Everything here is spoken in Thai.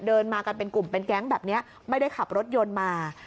เดินมากันเป็นกลุ่มเป็นแก๊งแบบนี้ไม่ได้ขับรถยนต์มา